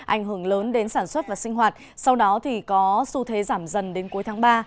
ảnh hưởng lớn đến sản xuất và sinh hoạt sau đó có xu thế giảm dần đến cuối tháng ba